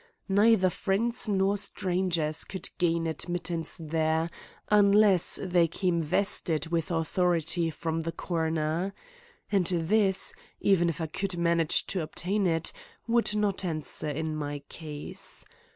Neither friends nor strangers could gain admittance there unless they came vested with authority from the coroner. And this, even if I could manage to obtain it, would not answer in my case.